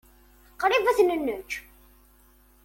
Qṛib ad ten-neǧǧ.